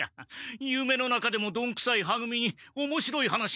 ゆめの中でもどんくさいは組におもしろい話ができるとは思えん。